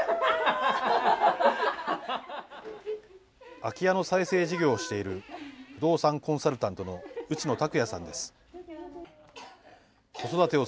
空き家の再生事業をしている不動産コンサルタントの内野巧也さんです。